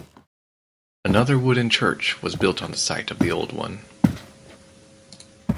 Another wooden church was built on the site of the old one.